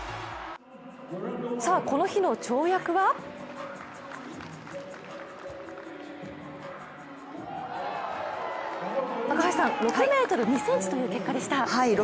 さあ、この日の跳躍は６ｍ２ｃｍという結果でした。